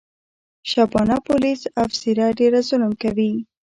شبانه پولیس افیسره ډېر ظلم کوي.